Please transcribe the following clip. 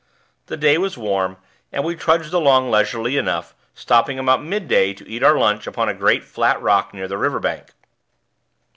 The day was warm, and we trudged along leisurely enough, stopping about mid day to eat our lunch upon a great flat rock near the riverbank.